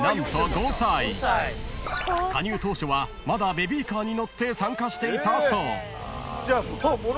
［加入当初はまだベビーカーに乗って参加していたそう］